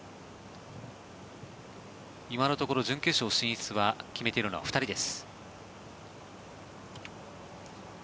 今のところ準決勝進出を決めているのは２人です。